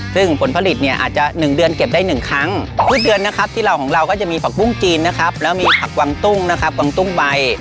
ซึ่งผลผลิตเนี่ยอาจจะ๑เดือนเก็บได้๑ครั้งพืชเดือนนะครับที่เราของเราก็จะมีผักบุ้งจีนนะครับแล้วมีผักกวางตุ้งนะครับกวางตุ้งใบ